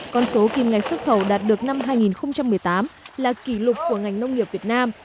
con số kim ngạch xuất khẩu đạt được năm hai nghìn một mươi tám là kỷ lục của ngành nông nghiệp việt nam